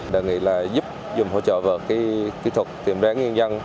đề nghị giúp dùm hỗ trợ vượt kỹ thuật tiềm đáng nhân dân